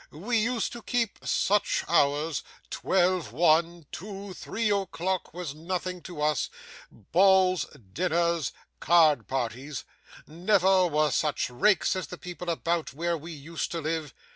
We used to keep such hours! Twelve, one, two, three o'clock was nothing to us. Balls, dinners, card parties! Never were such rakes as the people about where we used to live.